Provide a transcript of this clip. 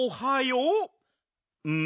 うん？